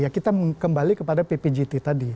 ya kita kembali kepada ppjt tadi